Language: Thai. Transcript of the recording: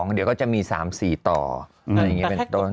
เดี๋ยวก็จะมี๓๔ต่ออะไรอย่างนี้เป็นต้น